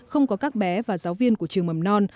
không có các bé và giáo viên của trường mầm non